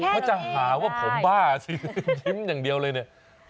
เขาจะหาว่าผมบ้าสิยิ้มอย่างเดียวเลยเนี่ย